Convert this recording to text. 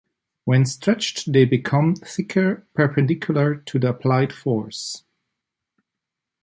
When stretched, they become thicker perpendicular to the applied force.